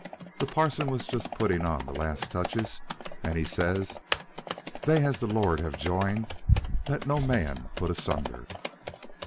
The parson was just puttin' on the last touches, and he says, 'They as the Lord have joined let no man put asunder.'